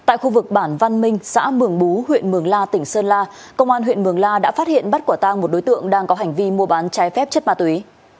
tại khu vực bản văn minh xã mường bú huyện mường la tỉnh sơn la công an huyện mường la đã phát hiện bắt quả tang một đối tượng đang có hành vi mua bán trái phép chất ma túy